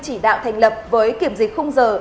chỉ đạo thành lập với kiểm dịch không giờ